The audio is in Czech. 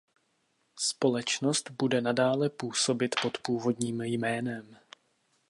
Společnost bude nadále působit pod původním jménem.